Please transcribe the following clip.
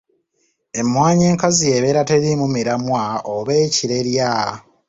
Emmwanyi enkazi y’ebeera teriimu miramwa oba ekirerya.